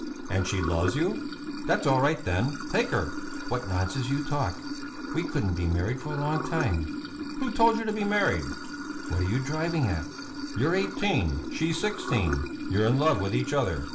"And she loves you? That's all right, then! Take her!" "What nonsense you talk! We couldn't be married for a long time!" "Who told you to be married?" "What are you driving at?" "You're eighteen, she's sixteen! You're in love with each other!